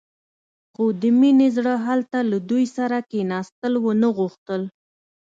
خو د مينې زړه هلته له دوی سره کښېناستل ونه غوښتل.